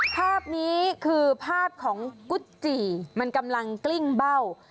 ภาพนี้คือภาพของกุจจีมันกำลังกลิ้งเบ้า